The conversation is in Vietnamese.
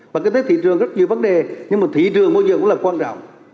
và cái thế thị trường rất nhiều vấn đề nhưng mà thị trường môi trường cũng là quan trọng